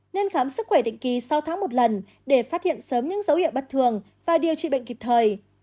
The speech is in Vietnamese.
nên khám sức khỏe định kỳ sau tháng một lần để phát hiện sớm những dấu hiệu bất thường và điều trị bệnh kịp thời